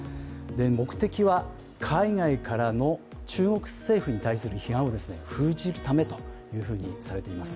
目的は海外からの中国政府に対する批判を封じるためというふうにされています。